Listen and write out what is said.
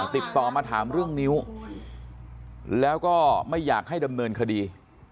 ติดต่อมาถามเรื่องนิ้วแล้วก็ไม่อยากให้ดำเนินคดี